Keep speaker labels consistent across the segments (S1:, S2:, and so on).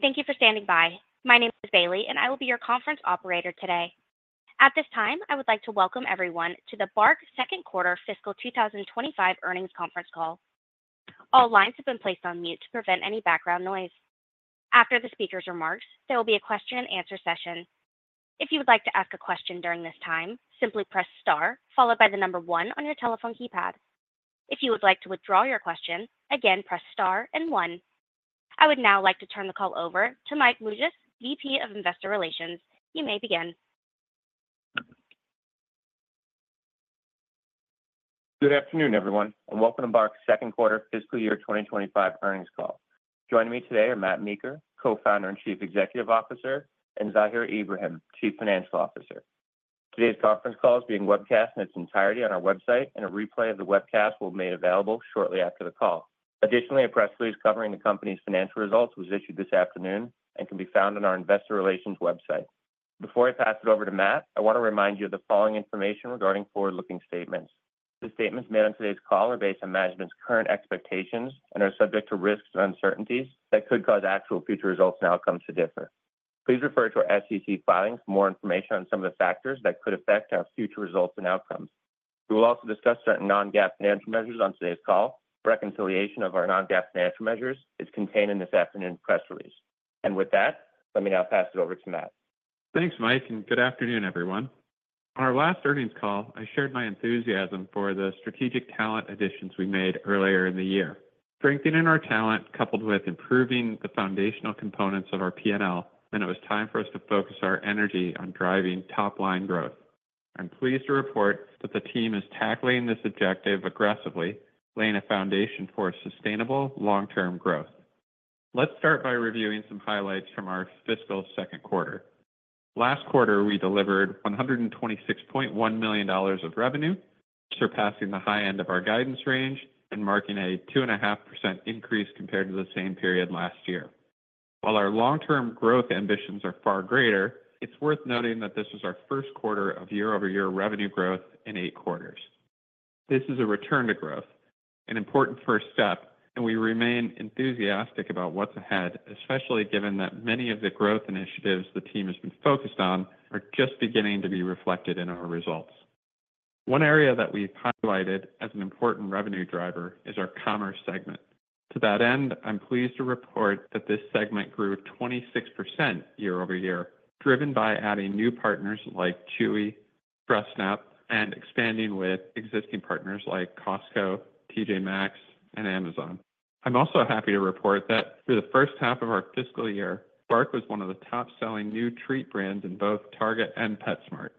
S1: Thank you for standing by. My name is Bailey, and I will be your conference operator today. At this time, I would like to welcome everyone to the BARK second quarter fiscal 2025 earnings conference call. All lines have been placed on mute to prevent any background noise. After the speaker's remarks, there will be a question-and-answer session. If you would like to ask a question during this time, simply press star, followed by the number one on your telephone keypad. If you would like to withdraw your question, again press star and one. I would now like to turn the call over to Mike Mougias, VP of Investor Relations. You may begin.
S2: Good afternoon, everyone, and welcome to BARK's second quarter fiscal year 2025 earnings call. Joining me today are Matt Meeker, Co-founder and Chief Executive Officer, and Zahir Ibrahim, Chief Financial Officer. Today's conference call is being webcast in its entirety on our website, and a replay of the webcast will be made available shortly after the call. Additionally, a press release covering the company's financial results was issued this afternoon and can be found on our investor relations website. Before I pass it over to Matt, I want to remind you of the following information regarding forward-looking statements. The statements made on today's call are based on management's current expectations and are subject to risks and uncertainties that could cause actual future results and outcomes to differ. Please refer to our SEC filings for more information on some of the factors that could affect our future results and outcomes. We will also discuss certain non-GAAP financial measures on today's call. Reconciliation of our non-GAAP financial measures is contained in this afternoon's press release, and with that, let me now pass it over to Matt.
S3: Thanks, Mike, and good afternoon, everyone. On our last earnings call, I shared my enthusiasm for the strategic talent additions we made earlier in the year. Strengthening our talent coupled with improving the foundational components of our P&L, and it was time for us to focus our energy on driving top-line growth. I'm pleased to report that the team is tackling this objective aggressively, laying a foundation for sustainable long-term growth. Let's start by reviewing some highlights from our fiscal second quarter. Last quarter, we delivered $126.1 million of revenue, surpassing the high end of our guidance range and marking a 2.5% increase compared to the same period last year. While our long-term growth ambitions are far greater, it's worth noting that this was our first quarter of year-over-year revenue growth in eight quarters. This is a return to growth, an important first step, and we remain enthusiastic about what's ahead, especially given that many of the growth initiatives the team has been focused on are just beginning to be reflected in our results. One area that we've highlighted as an important revenue driver is our commerce segment. To that end, I'm pleased to report that this segment grew 26% year-over-year, driven by adding new partners like Chewy, Fressnapf, and expanding with existing partners like Costco, T.J. Maxx, and Amazon. I'm also happy to report that through the first half of our fiscal year, BARK was one of the top-selling new treat brands in both Target and PetSmart.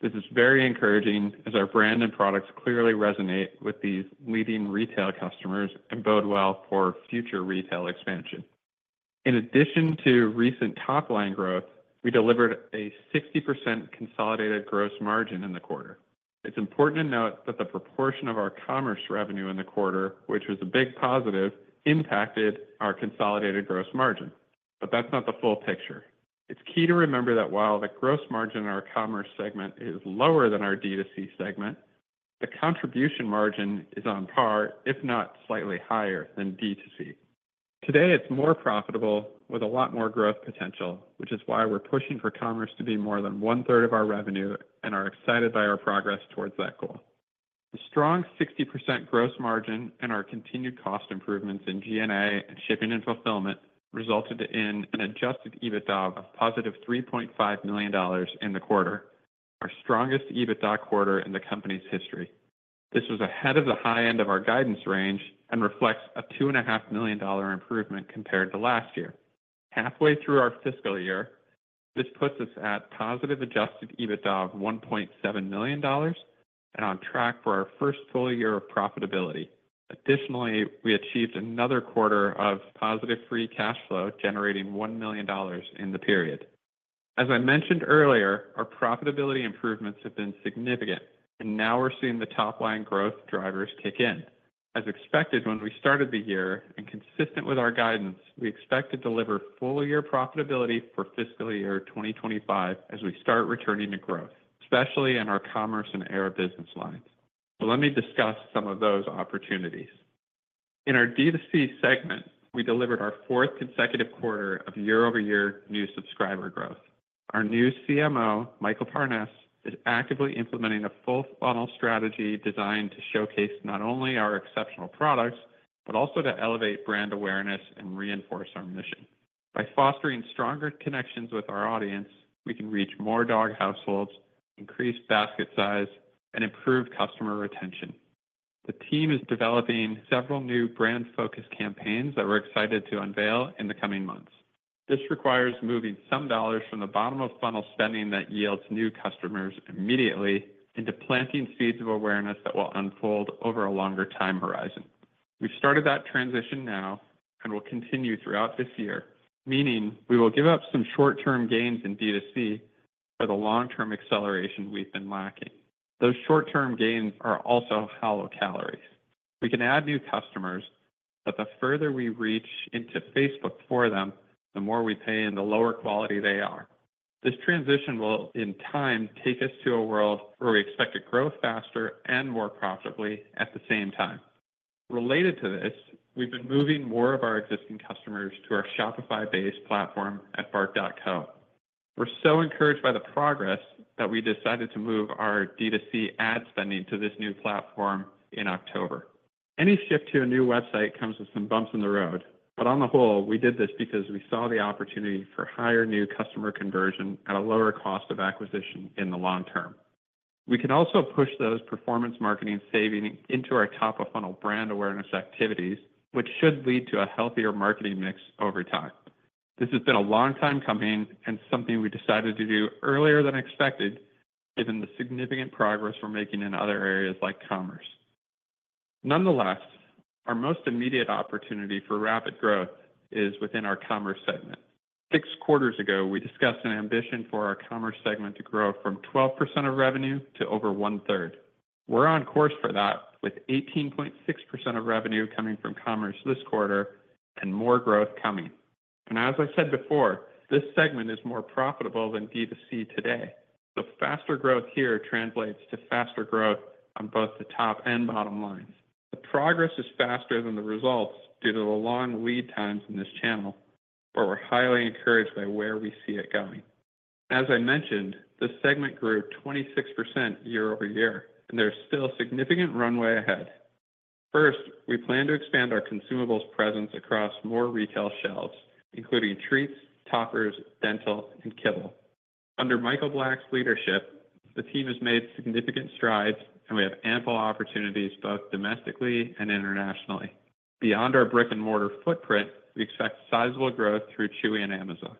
S3: This is very encouraging as our brand and products clearly resonate with these leading retail customers and bode well for future retail expansion. In addition to recent top-line growth, we delivered a 60% consolidated gross margin in the quarter. It's important to note that the proportion of our commerce revenue in the quarter, which was a big positive, impacted our consolidated gross margin. But that's not the full picture. It's key to remember that while the gross margin in our commerce segment is lower than our D2C segment, the contribution margin is on par, if not slightly higher, than D2C. Today, it's more profitable with a lot more growth potential, which is why we're pushing for commerce to be more than one-third of our revenue and are excited by our progress towards that goal. The strong 60% gross margin and our continued cost improvements in G&A and shipping and fulfillment resulted in an Adjusted EBITDA of positive $3.5 million in the quarter, our strongest EBITDA quarter in the company's history. This was ahead of the high end of our guidance range and reflects a $2.5 million improvement compared to last year. Halfway through our fiscal year, this puts us at positive Adjusted EBITDA of $1.7 million and on track for our first full year of profitability. Additionally, we achieved another quarter of positive free cash flow generating $1 million in the period. As I mentioned earlier, our profitability improvements have been significant, and now we're seeing the top-line growth drivers kick in. As expected when we started the year and consistent with our guidance, we expect to deliver full-year profitability for fiscal year 2025 as we start returning to growth, especially in our commerce and air business lines. So let me discuss some of those opportunities. In our D2C segment, we delivered our fourth consecutive quarter of year-over-year new subscriber growth. Our new CMO, Michael Parnas, is actively implementing a full-funnel strategy designed to showcase not only our exceptional products but also to elevate brand awareness and reinforce our mission. By fostering stronger connections with our audience, we can reach more dog households, increase basket size, and improve customer retention. The team is developing several new brand-focused campaigns that we're excited to unveil in the coming months. This requires moving some dollars from the bottom-of-funnel spending that yields new customers immediately into planting seeds of awareness that will unfold over a longer time horizon. We've started that transition now and will continue throughout this year, meaning we will give up some short-term gains in D2C for the long-term acceleration we've been lacking. Those short-term gains are also hollow calories. We can add new customers, but the further we reach into Facebook for them, the more we pay and the lower quality they are. This transition will, in time, take us to a world where we expect to grow faster and more profitably at the same time. Related to this, we've been moving more of our existing customers to our Shopify-based platform at BARK.co. We're so encouraged by the progress that we decided to move our D2C ad spending to this new platform in October. Any shift to a new website comes with some bumps in the road, but on the whole, we did this because we saw the opportunity for higher new customer conversion at a lower cost of acquisition in the long term. We can also push those performance marketing savings into our top-of-funnel brand awareness activities, which should lead to a healthier marketing mix over time. This has been a long time coming and something we decided to do earlier than expected given the significant progress we're making in other areas like commerce. Nonetheless, our most immediate opportunity for rapid growth is within our commerce segment. Six quarters ago, we discussed an ambition for our commerce segment to grow from 12% of revenue to over one-third. We're on course for that with 18.6% of revenue coming from commerce this quarter and more growth coming. And as I said before, this segment is more profitable than D2C today. The faster growth here translates to faster growth on both the top and bottom lines. The progress is faster than the results due to the long lead times in this channel, but we're highly encouraged by where we see it going. As I mentioned, this segment grew 26% year-over-year, and there's still a significant runway ahead. First, we plan to expand our consumables presence across more retail shelves, including treats, toppers, dental, and kibble. Under Michael Black's leadership, the team has made significant strides, and we have ample opportunities both domestically and internationally. Beyond our brick-and-mortar footprint, we expect sizable growth through Chewy and Amazon.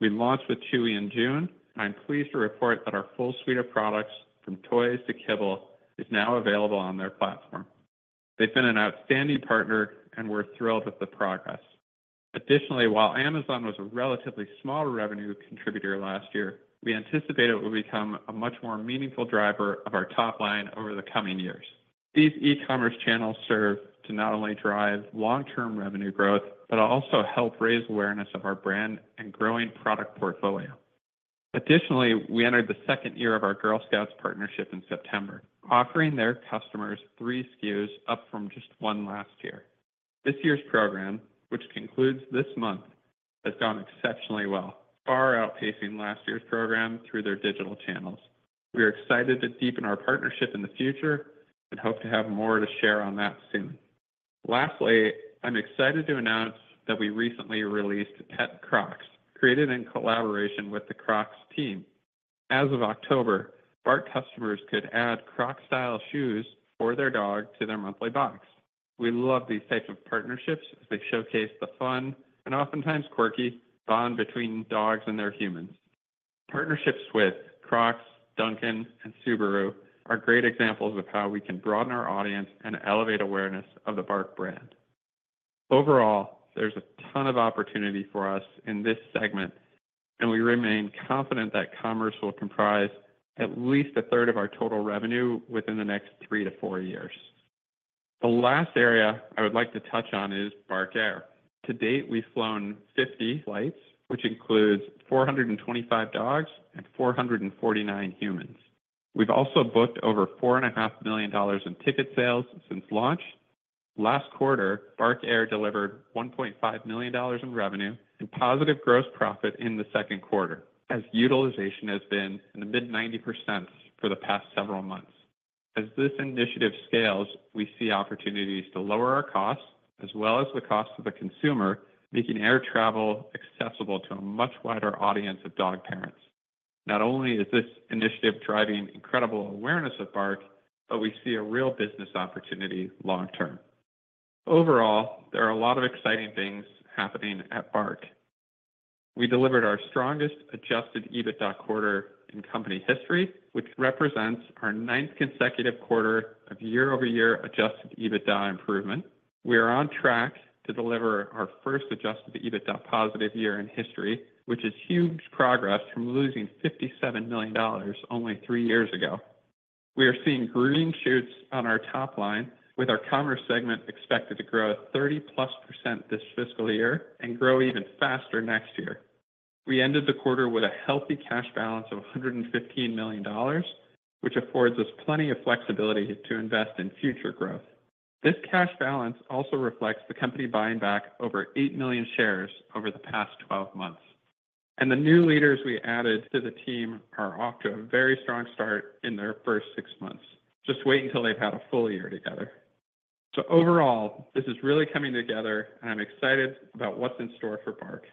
S3: We launched with Chewy in June, and I'm pleased to report that our full suite of products, from toys to kibble, is now available on their platform. They've been an outstanding partner, and we're thrilled with the progress. Additionally, while Amazon was a relatively small revenue contributor last year, we anticipate it will become a much more meaningful driver of our top line over the coming years. These e-commerce channels serve to not only drive long-term revenue growth but also help raise awareness of our brand and growing product portfolio. Additionally, we entered the second year of our Girl Scouts partnership in September, offering their customers three SKUs up from just one last year. This year's program, which concludes this month, has gone exceptionally well, far outpacing last year's program through their digital channels. We are excited to deepen our partnership in the future and hope to have more to share on that soon. Lastly, I'm excited to announce that we recently released Pet Crocs, created in collaboration with the Crocs team. As of October, BARK customers could add Crocs-style shoes for their dog to their monthly box. We love these types of partnerships as they showcase the fun and oftentimes quirky bond between dogs and their humans. Partnerships with Crocs, Dunkin', and Subaru are great examples of how we can broaden our audience and elevate awareness of the BARK brand. Overall, there's a ton of opportunity for us in this segment, and we remain confident that commerce will comprise at least a third of our total revenue within the next three to four years. The last area I would like to touch on is BARK Air. To date, we've flown 50 flights, which includes 425 dogs and 449 humans. We've also booked over $4.5 million in ticket sales since launch. Last quarter, BARK Air delivered $1.5 million in revenue and positive gross profit in the second quarter, as utilization has been in the mid-90% for the past several months. As this initiative scales, we see opportunities to lower our costs as well as the costs of the consumer, making air travel accessible to a much wider audience of dog parents. Not only is this initiative driving incredible awareness of BARK, but we see a real business opportunity long term. Overall, there are a lot of exciting things happening at BARK. We delivered our strongest adjusted EBITDA quarter in company history, which represents our ninth consecutive quarter of year-over-year adjusted EBITDA improvement. We are on track to deliver our first adjusted EBITDA positive year in history, which is huge progress from losing $57 million only three years ago. We are seeing green shoots on our top line, with our commerce segment expected to grow 30-plus% this fiscal year and grow even faster next year. We ended the quarter with a healthy cash balance of $115 million, which affords us plenty of flexibility to invest in future growth. This cash balance also reflects the company buying back over eight million shares over the past 12 months, and the new leaders we added to the team are off to a very strong start in their first six months. Just wait until they've had a full year together. So overall, this is really coming together, and I'm excited about what's in store for BARK.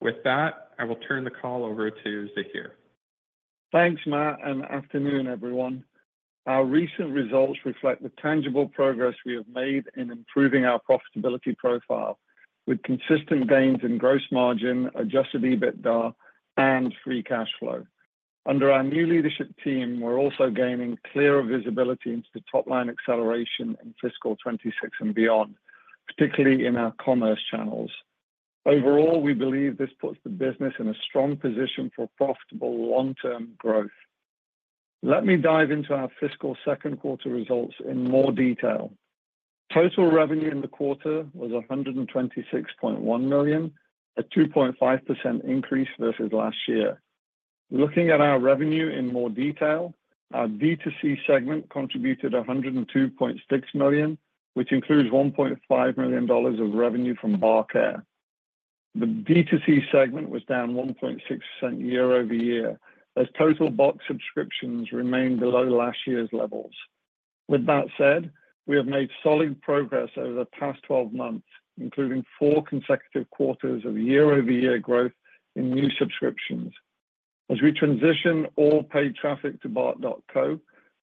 S3: With that, I will turn the call over to Zahir.
S4: Thanks, Matt, and good afternoon, everyone. Our recent results reflect the tangible progress we have made in improving our profitability profile with consistent gains in gross margin, adjusted EBITDA, and free cash flow. Under our new leadership team, we're also gaining clearer visibility into the top-line acceleration in fiscal 26 and beyond, particularly in our commerce channels. Overall, we believe this puts the business in a strong position for profitable long-term growth. Let me dive into our fiscal second quarter results in more detail. Total revenue in the quarter was $126.1 million, a 2.5% increase versus last year. Looking at our revenue in more detail, our D2C segment contributed $102.6 million, which includes $1.5 million of revenue from BARK Air. The D2C segment was down 1.6% year-over-year, as total BARK subscriptions remained below last year's levels. With that said, we have made solid progress over the past 12 months, including four consecutive quarters of year-over-year growth in new subscriptions. As we transition all paid traffic to BARK.co,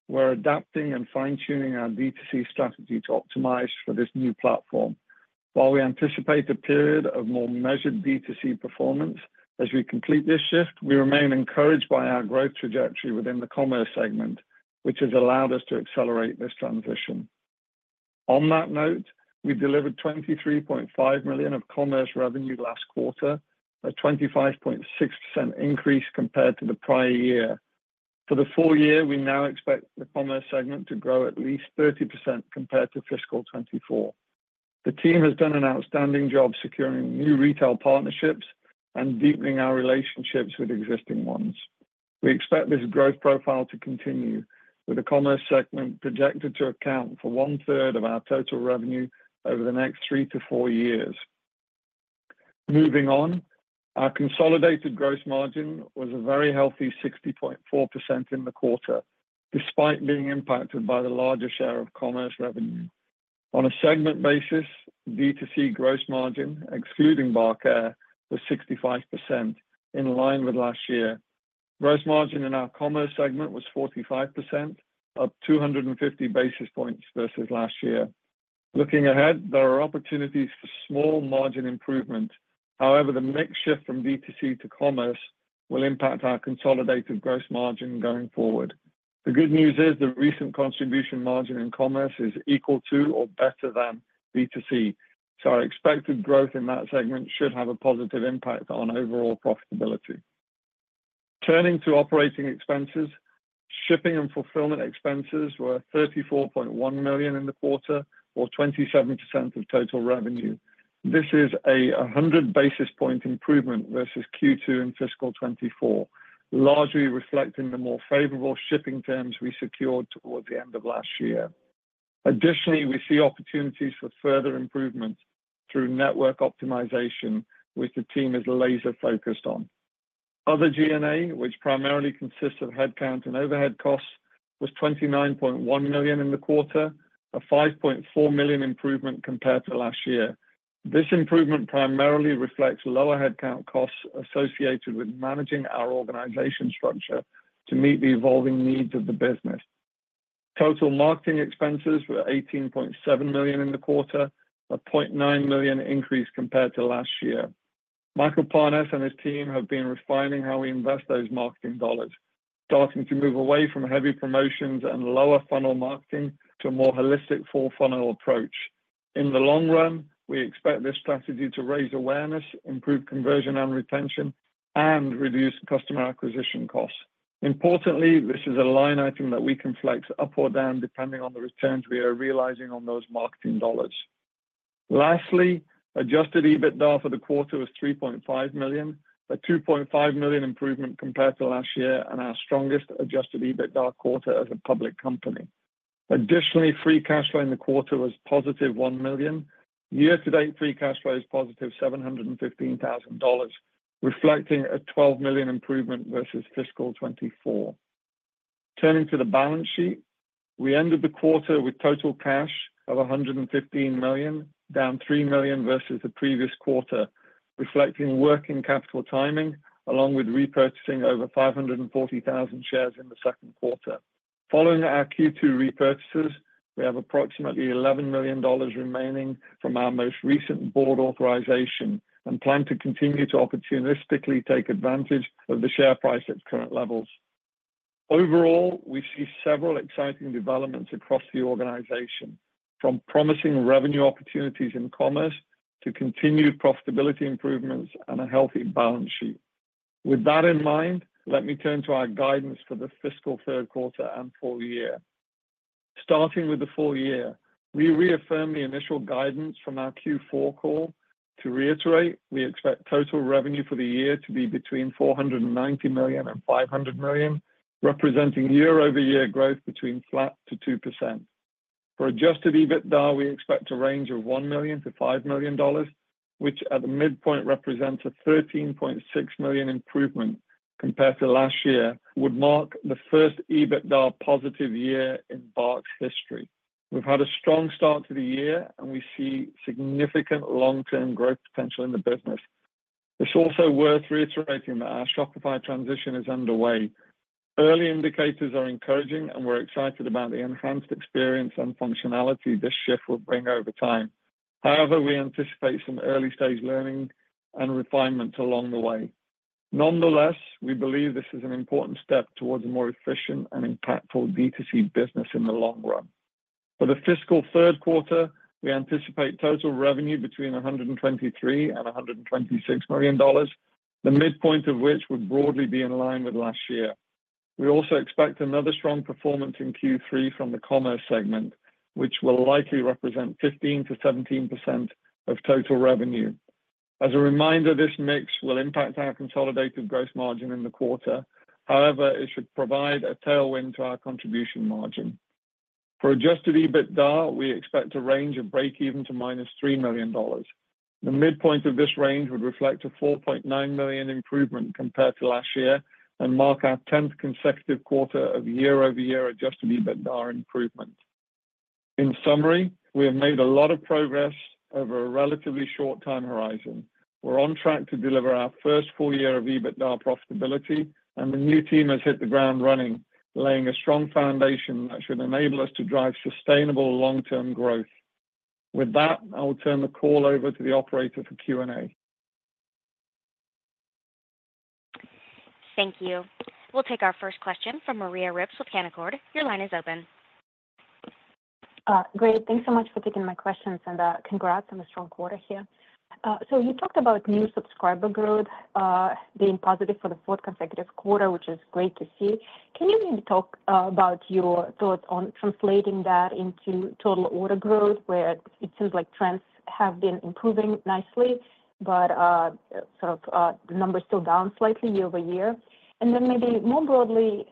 S4: we're adapting and fine-tuning our D2C strategy to optimize for this new platform. While we anticipate a period of more measured D2C performance as we complete this shift, we remain encouraged by our growth trajectory within the commerce segment, which has allowed us to accelerate this transition. On that note, we delivered $23.5 million of commerce revenue last quarter, a 25.6% increase compared to the prior year. For the full year, we now expect the commerce segment to grow at least 30% compared to fiscal 2024. The team has done an outstanding job securing new retail partnerships and deepening our relationships with existing ones. We expect this growth profile to continue, with the commerce segment projected to account for one-third of our total revenue over the next three to four years. Moving on, our consolidated gross margin was a very healthy 60.4% in the quarter, despite being impacted by the larger share of commerce revenue. On a segment basis, D2C gross margin, excluding BARK Air, was 65%, in line with last year. Gross margin in our commerce segment was 45%, up 250 basis points versus last year. Looking ahead, there are opportunities for small margin improvement. However, the mixture from D2C to commerce will impact our consolidated gross margin going forward. The good news is the recent contribution margin in commerce is equal to or better than D2C, so our expected growth in that segment should have a positive impact on overall profitability. Turning to operating expenses, shipping and fulfillment expenses were $34.1 million in the quarter, or 27% of total revenue. This is a 100 basis point improvement versus Q2 in fiscal 2024, largely reflecting the more favorable shipping terms we secured towards the end of last year. Additionally, we see opportunities for further improvements through network optimization, which the team is laser-focused on. Other G&A, which primarily consists of headcount and overhead costs, was $29.1 million in the quarter, a $5.4 million improvement compared to last year. This improvement primarily reflects lower headcount costs associated with managing our organization structure to meet the evolving needs of the business. Total marketing expenses were $18.7 million in the quarter, a $0.9 million increase compared to last year. Michael Parnas and his team have been refining how we invest those marketing dollars, starting to move away from heavy promotions and lower-funnel marketing to a more holistic full-funnel approach. In the long run, we expect this strategy to raise awareness, improve conversion and retention, and reduce customer acquisition costs. Importantly, this is a line item that we can flex up or down depending on the returns we are realizing on those marketing dollars. Lastly, Adjusted EBITDA for the quarter was $3.5 million, a $2.5 million improvement compared to last year and our strongest Adjusted EBITDA quarter as a public company. Additionally, free cash flow in the quarter was positive $1 million. Year-to-date free cash flow is positive $715,000, reflecting a $12 million improvement versus fiscal 2024. Turning to the balance sheet, we ended the quarter with total cash of $115 million, down $3 million versus the previous quarter, reflecting working capital timing along with repurchasing over 540,000 shares in the second quarter. Following our Q2 repurchases, we have approximately $11 million remaining from our most recent board authorization and plan to continue to opportunistically take advantage of the share price at current levels. Overall, we see several exciting developments across the organization, from promising revenue opportunities in commerce to continued profitability improvements and a healthy balance sheet. With that in mind, let me turn to our guidance for the fiscal third quarter and full year. Starting with the full year, we reaffirm the initial guidance from our Q4 call. To reiterate, we expect total revenue for the year to be between $490 million and $500 million, representing year-over-year growth between flat to 2%. For Adjusted EBITDA, we expect a range of $1-$5 million, which at the midpoint represents a $13.6 million improvement compared to last year, and would mark the first EBITDA-positive year in BARK's history. We've had a strong start to the year, and we see significant long-term growth potential in the business. It's also worth reiterating that our Shopify transition is underway. Early indicators are encouraging, and we're excited about the enhanced experience and functionality this shift will bring over time. However, we anticipate some early-stage learning and refinements along the way. Nonetheless, we believe this is an important step towards a more efficient and impactful D2C business in the long run. For the fiscal third quarter, we anticipate total revenue between $123 and $126 million, the midpoint of which would broadly be in line with last year. We also expect another strong performance in Q3 from the commerce segment, which will likely represent 15%-17% of total revenue. As a reminder, this mix will impact our consolidated gross margin in the quarter. However, it should provide a tailwind to our contribution margin. For adjusted EBITDA, we expect a range of break-even to -$3 million. The midpoint of this range would reflect a $4.9 million improvement compared to last year and mark our tenth consecutive quarter of year-over-year adjusted EBITDA improvement. In summary, we have made a lot of progress over a relatively short time horizon. We're on track to deliver our first full year of EBITDA profitability, and the new team has hit the ground running, laying a strong foundation that should enable us to drive sustainable long-term growth. With that, I will turn the call over to the operator for Q&A.
S1: Thank you. We'll take our first question from Maria Ripps with Canaccord. Your line is open.
S5: Great. Thanks so much for taking my questions, and congrats on a strong quarter here. So you talked about new subscriber growth being positive for the fourth consecutive quarter, which is great to see. Can you maybe talk about your thoughts on translating that into total order growth, where it seems like trends have been improving nicely, but sort of the numbers still down slightly year-over-year? And then maybe more broadly,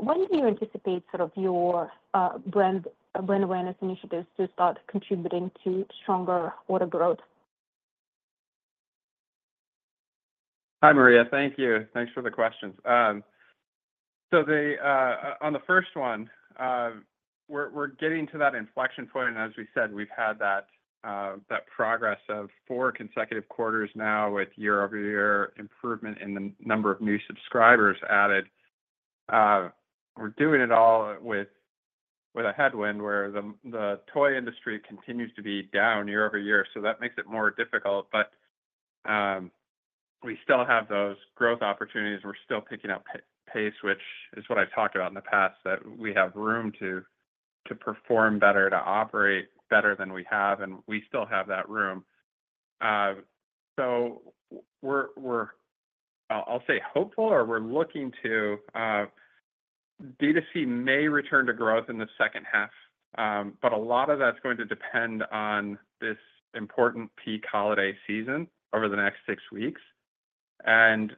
S5: when do you anticipate sort of your brand awareness initiatives to start contributing to stronger order growth?
S3: Hi, Maria. Thank you. Thanks for the questions. So on the first one, we're getting to that inflection point. And as we said, we've had that progress of four consecutive quarters now with year-over-year improvement in the number of new subscribers added. We're doing it all with a headwind where the toy industry continues to be down year-over-year, so that makes it more difficult. But we still have those growth opportunities, and we're still picking up pace, which is what I've talked about in the past, that we have room to perform better, to operate better than we have, and we still have that room. So I'll say hopeful, or we're looking to D2C may return to growth in the second half, but a lot of that's going to depend on this important peak holiday season over the next six weeks. And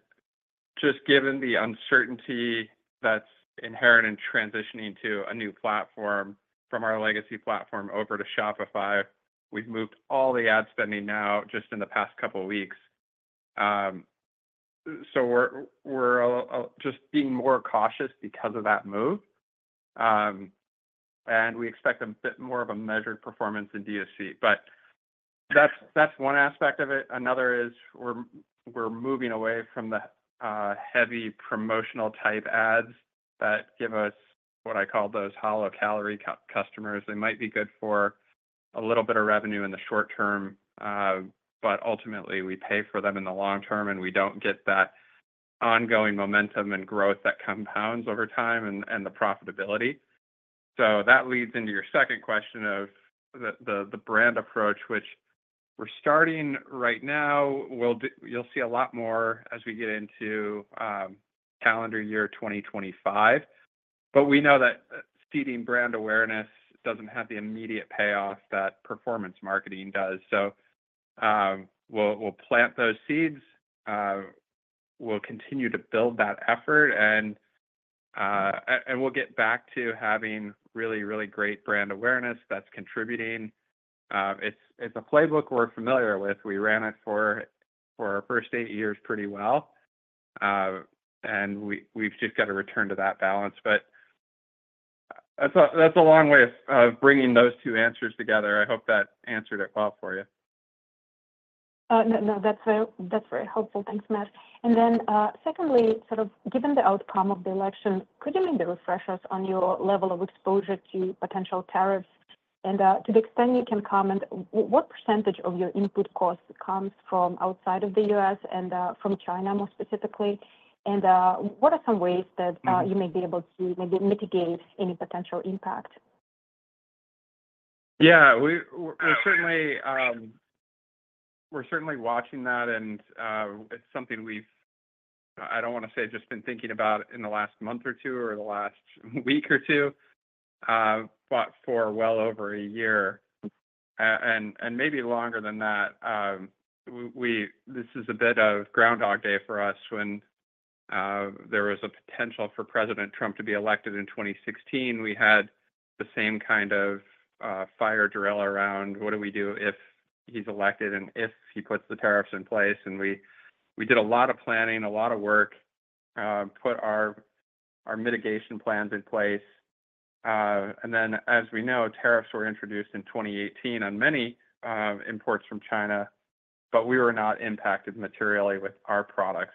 S3: just given the uncertainty that's inherent in transitioning to a new platform from our legacy platform over to Shopify, we've moved all the ad spending now just in the past couple of weeks. So we're just being more cautious because of that move, and we expect a bit more of a measured performance in D2C. But that's one aspect of it. Another is we're moving away from the heavy promotional-type ads that give us what I call those hollow-calorie customers. They might be good for a little bit of revenue in the short term, but ultimately, we pay for them in the long term, and we don't get that ongoing momentum and growth that compounds over time and the profitability. So that leads into your second question of the brand approach, which we're starting right now. You'll see a lot more as we get into calendar year 2025, but we know that seeding brand awareness doesn't have the immediate payoff that performance marketing does. So we'll plant those seeds. We'll continue to build that effort, and we'll get back to having really, really great brand awareness that's contributing. It's a playbook we're familiar with. We ran it for our first eight years pretty well, and we've just got to return to that balance. But that's a long way of bringing those two answers together. I hope that answered it well for you.
S5: No, that's very helpful. Thanks, Matt. And then secondly, sort of given the outcome of the election, could you make the refreshers on your level of exposure to potential tariffs? And to the extent you can comment, what percentage of your input costs comes from outside of the US and from China more specifically? And what are some ways that you may be able to maybe mitigate any potential impact?
S3: Yeah. We're certainly watching that, and it's something we've, I don't want to say, just been thinking about in the last month or two or the last week or two, but for well over a year and maybe longer than that. This is a bit of groundhog day for us. When there was a potential for President Trump to be elected in 2016, we had the same kind of fire drill around, "What do we do if he's elected and if he puts the tariffs in place?" And we did a lot of planning, a lot of work, put our mitigation plans in place. And then, as we know, tariffs were introduced in 2018 on many imports from China, but we were not impacted materially with our products.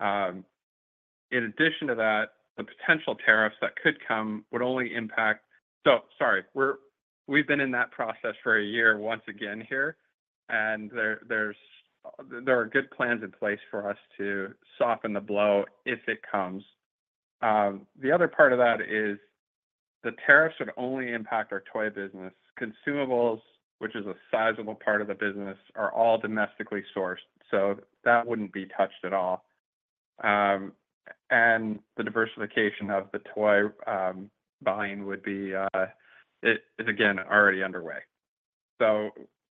S3: In addition to that, the potential tariffs that could come would only impact. So, sorry. We've been in that process for a year once again here, and there are good plans in place for us to soften the blow if it comes. The other part of that is the tariffs would only impact our toy business. Consumables, which is a sizable part of the business, are all domestically sourced, so that wouldn't be touched at all, and the diversification of the toy buying would be, again, already underway, so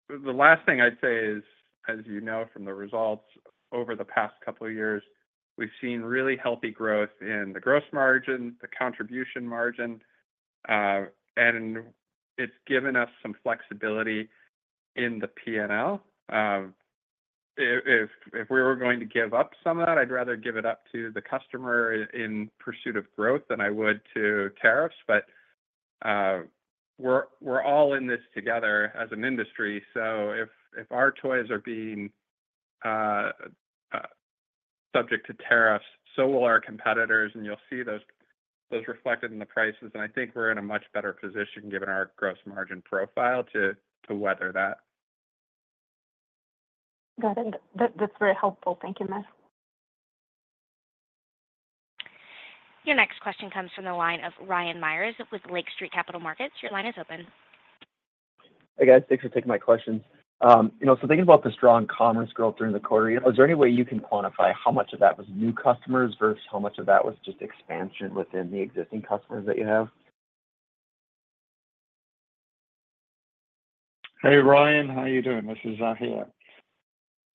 S3: the last thing I'd say is, as you know from the results over the past couple of years, we've seen really healthy growth in the gross margin, the contribution margin, and it's given us some flexibility in the P&L. If we were going to give up some of that, I'd rather give it up to the customer in pursuit of growth than I would to tariffs. But we're all in this together as an industry, so if our toys are being subject to tariffs, so will our competitors, and you'll see those reflected in the prices. And I think we're in a much better position, given our gross margin profile, to weather that.
S5: Got it. That's very helpful. Thank you, Matt.
S1: Your next question comes from the line of Ryan Meyers with Lake Street Capital Markets. Your line is open.
S6: Hey, guys. Thanks for taking my questions. So thinking about the strong commerce growth during the quarter, is there any way you can quantify how much of that was new customers versus how much of that was just expansion within the existing customers that you have?
S4: Hey, Ryan. How are you doing? This is Zahir.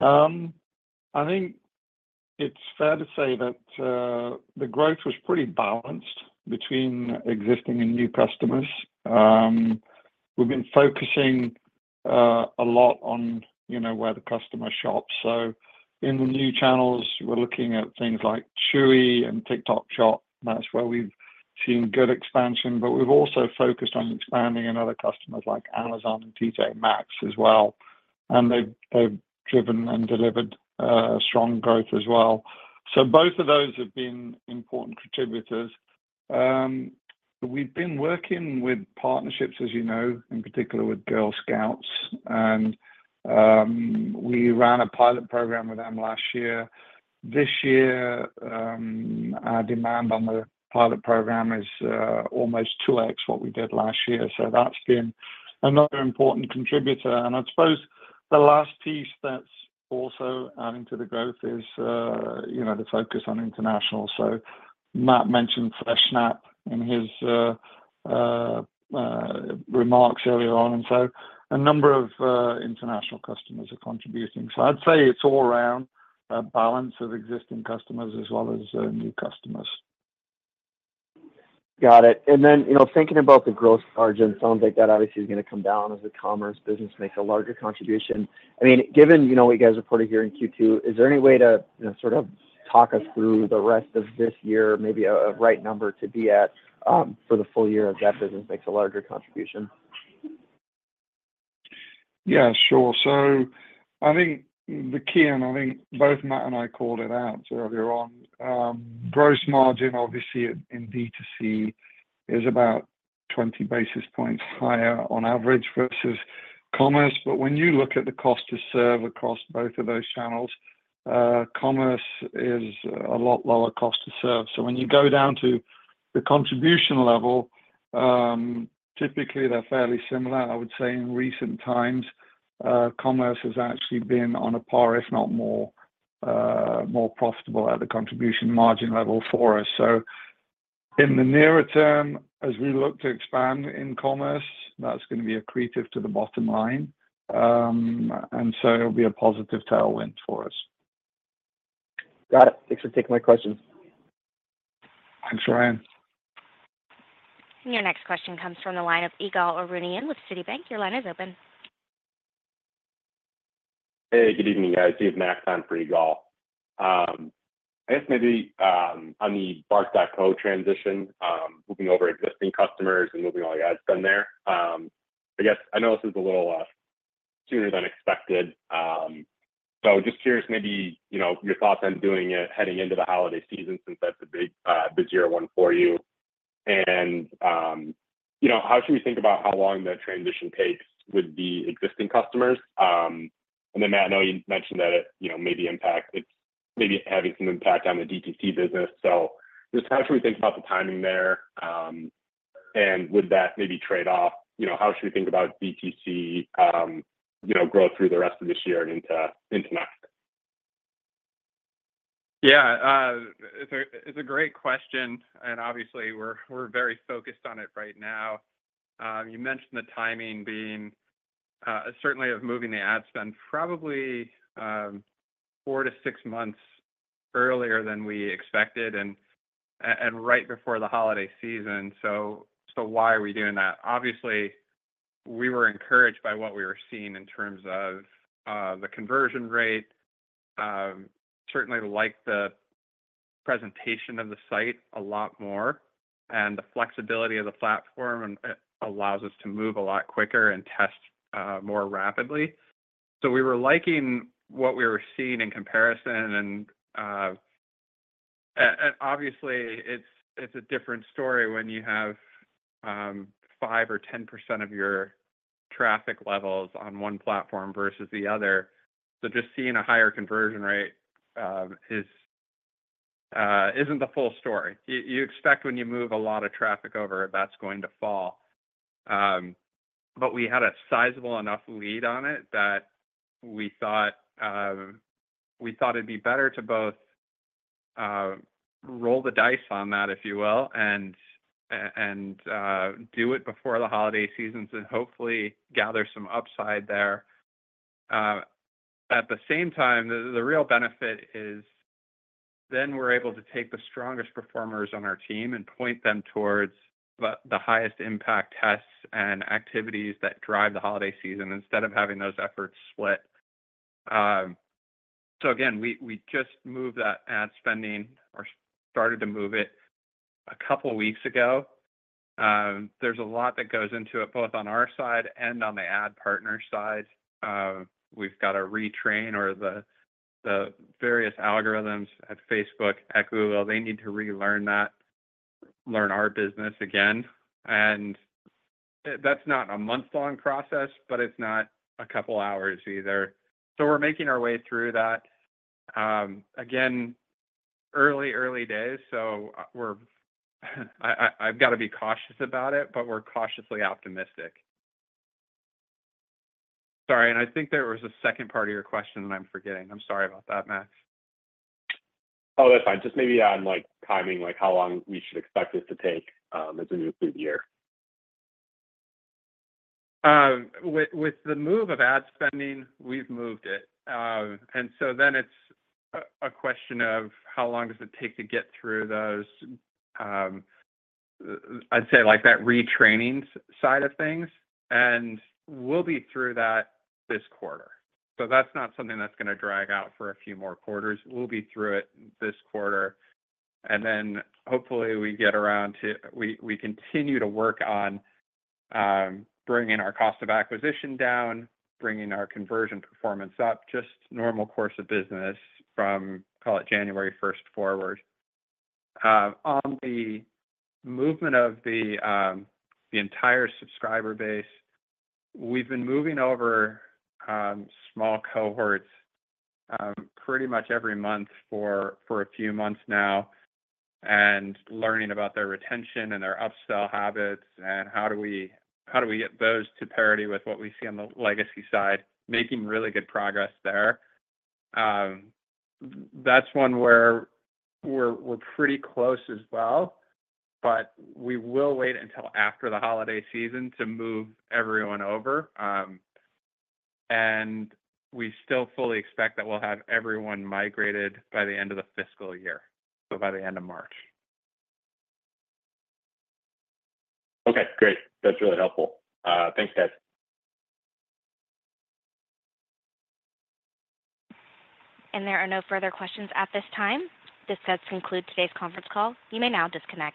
S4: I think it's fair to say that the growth was pretty balanced between existing and new customers. We've been focusing a lot on where the customer shops. So in the new channels, we're looking at things like Chewy and TikTok Shop. That's where we've seen good expansion. But we've also focused on expanding in other customers like Amazon and T.J. Maxx as well, and they've driven and delivered strong growth as well. So both of those have been important contributors. We've been working with partnerships, as you know, in particular with Girl Scouts, and we ran a pilot program with them last year. This year, our demand on the pilot program is almost 2x what we did last year. So that's been another important contributor. I suppose the last piece that's also adding to the growth is the focus on international. Matt mentioned Fressnapf in his remarks earlier on. A number of international customers are contributing. I'd say it's all around a balance of existing customers as well as new customers.
S6: Got it. And then thinking about the gross margin, it sounds like that obviously is going to come down as the commerce business makes a larger contribution. I mean, given what you guys reported here in Q2, is there any way to sort of talk us through the rest of this year, maybe a right number to be at for the full year as that business makes a larger contribution?
S4: Yeah, sure. So I think the key, and I think both Matt and I called it out earlier on, gross margin obviously in D2C is about 20 basis points higher on average versus commerce. But when you look at the cost-to-serve across both of those channels, commerce is a lot lower cost-to-serve. So when you go down to the contribution level, typically they're fairly similar. I would say in recent times, commerce has actually been on a par, if not more, profitable at the contribution margin level for us. So in the nearer term, as we look to expand in commerce, that's going to be accretive to the bottom line, and so it'll be a positive tailwind for us.
S6: Got it. Thanks for taking my questions.
S4: Thanks, Ryan.
S1: Your next question comes from the line of Ygal Arounian with Citibank. Your line is open.
S7: Hey, good evening, guys. Dave Mack, I'm for Ygal. I guess maybe on the BARK.co transition, moving over existing customers and moving all your ad spend there. I guess I know this is a little sooner than expected, so just curious maybe your thoughts on doing it heading into the holiday season since that's a big year one for you. And how should we think about how long that transition takes with the existing customers? And then, Matt, I know you mentioned that it maybe impacts maybe having some impact on the DTC business. So just how should we think about the timing there, and would that maybe trade off? How should we think about DTC growth through the rest of this year and into next?
S3: Yeah. It's a great question, and obviously, we're very focused on it right now. You mentioned the timing being certainly of moving the ad spend probably four to six months earlier than we expected and right before the holiday season. So why are we doing that? Obviously, we were encouraged by what we were seeing in terms of the conversion rate. Certainly, we like the presentation of the site a lot more, and the flexibility of the platform allows us to move a lot quicker and test more rapidly. So we were liking what we were seeing in comparison. And obviously, it's a different story when you have 5% or 10% of your traffic levels on one platform versus the other. So just seeing a higher conversion rate isn't the full story. You expect when you move a lot of traffic over, that's going to fall. But we had a sizable enough lead on it that we thought it'd be better to both roll the dice on that, if you will, and do it before the holiday seasons and hopefully gather some upside there. At the same time, the real benefit is then we're able to take the strongest performers on our team and point them towards the highest impact tests and activities that drive the holiday season instead of having those efforts split. So again, we just moved that ad spending or started to move it a couple of weeks ago. There's a lot that goes into it both on our side and on the ad partner side. We've got to retrain or the various algorithms at Facebook, at Google. They need to relearn that, learn our business again. And that's not a month-long process, but it's not a couple of hours either. So we're making our way through that. Again, early, early days, so I've got to be cautious about it, but we're cautiously optimistic. Sorry. And I think there was a second part of your question that I'm forgetting. I'm sorry about that, Matt.
S7: Oh, that's fine. Just maybe on timing, how long we should expect this to take as we move through the year.
S3: With the move of ad spending, we've moved it. And so then it's a question of how long does it take to get through those, I'd say, that retraining side of things. And we'll be through that this quarter. So that's not something that's going to drag out for a few more quarters. We'll be through it this quarter. And then hopefully, we get around to we continue to work on bringing our cost of acquisition down, bringing our conversion performance up, just normal course of business from, call it, January 1st forward. On the movement of the entire subscriber base, we've been moving over small cohorts pretty much every month for a few months now and learning about their retention and their upsell habits and how do we get those to parity with what we see on the legacy side, making really good progress there. That's one where we're pretty close as well, but we will wait until after the holiday season to move everyone over, and we still fully expect that we'll have everyone migrated by the end of the fiscal year, so by the end of March.
S7: Okay. Great. That's really helpful. Thanks, guys.
S1: There are no further questions at this time. This does conclude today's conference call. You may now disconnect.